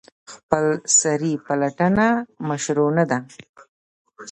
خپلسري پلټنه مشروع نه ده.